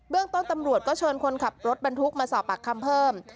เรื่องต้นตำรวจก็เชิญคนขับรถบรรทุกมาสอบปากคำเพิ่ม